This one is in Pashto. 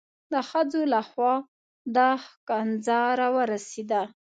د ښځو لخوا دا ښکنځا را ورسېده.